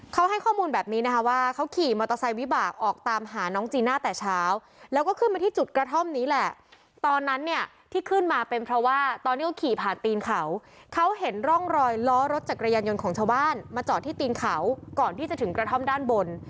เขาก็ขี่ผ่านตีนเขาเขาเห็นร่องรอยล้อรถจักรยานยนต์ของชาวบ้านมาจอดที่ตีนเขาก่อนที่จะถึงกระท่อมด้านบน